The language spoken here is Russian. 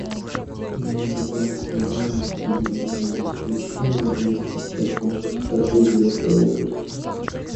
Борьба с неравенством должна быть ключевым элементом всех наших стратегий в этой области.